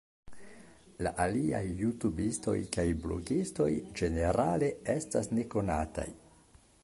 La aliaj jutubistoj kaj blogistoj ĝenerale estas nekonataj.